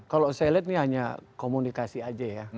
kalau saya lihat ini hanya komunikasi aja ya